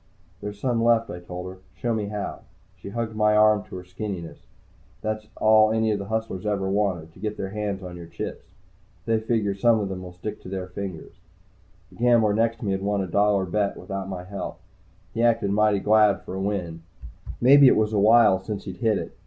"There's some left," I told her. "Show me how." She hugged my arm to her skinniness. That's all any of the hustlers ever want to get their hands on your chips. They figure some of them will stick to their fingers. The gambler next to me had won a dollar bet without my help. He acted mighty glad for a win maybe it was a while since he'd hit it.